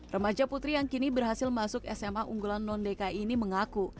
remaja putri yang kini berhasil masuk sma unggulan non dki ini mengaku